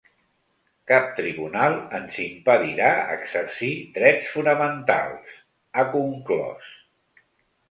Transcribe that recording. Cap tribunal ens impedirà exercir drets fonamentals, ha conclòs.